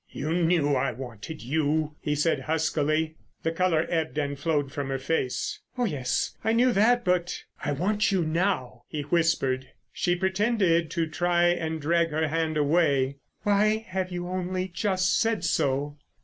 "You knew I wanted you," he said huskily. The colour ebbed and flowed from her face. "Oh, yes, I knew that, but——" "I want you now," he whispered. She pretended to try and drag her hand away. "Why have you only just said so?"